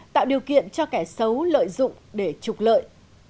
tạo điều kiện cho kẻ xấu lợi dụng để trục lợi